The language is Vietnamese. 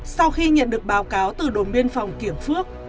sau khi nhận được báo cáo từ đồn biên phòng kiểng phước